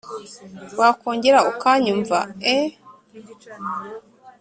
wakongera ukanyumva eeeh